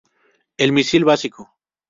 El misil básico.